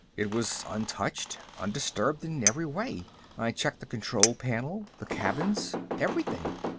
It was untouched, undisturbed in every way. I checked the control panel, the cabins, everything.